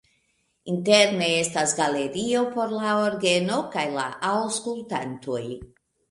Interne estas galerio por la orgeno kaj la aŭskultantoj.